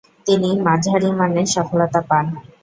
তিনি মাঝারিমানের সফলতা পান।